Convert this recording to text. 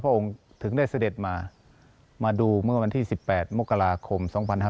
องค์ถึงได้เสด็จมามาดูเมื่อวันที่๑๘มกราคม๒๕๕๙